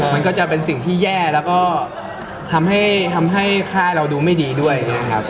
มันก็จะเป็นสิ่งที่แย่แล้วก็ทำให้ค่ายเราดูไม่ดีด้วยครับ